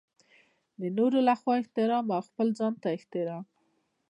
د نورو لخوا احترام او خپل ځانته احترام.